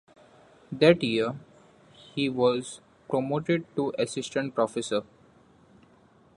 That year, he was promoted to Assistant Professor.